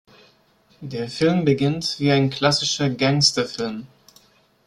Der Film beginnt wie ein klassischer Gangsterfilm.